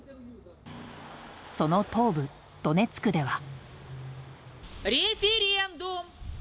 その東部ドネツクでは。